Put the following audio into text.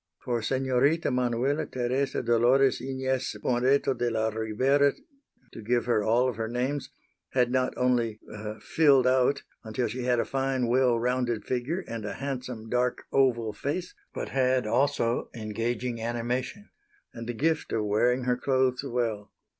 For Senorita Manuela Teresa Dolores Inez Moreto de la Rivera to give her all of her names had not only "filled out" until she had a fine, well rounded figure and a handsome dark, oval face, but had also engaging animation and the gift of wearing her clothes well.